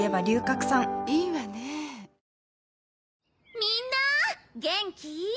みんな元気？